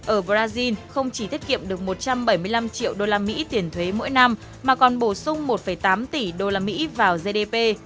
ở brazil không chỉ tiết kiệm được một trăm bảy mươi năm triệu usd tiền thuế mỗi năm mà còn bổ sung một tám tỷ usd vào gdp